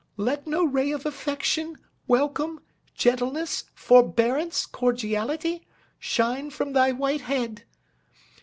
Let no ray of affection, welcome, gentleness, forbearance, cordiality, shine from thy white head.